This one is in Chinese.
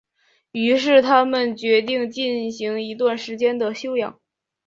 于是他们决定进行一段时间的休养。